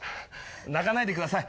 泣かないでください。